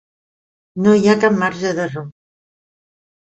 No hi ha cap marge d'error.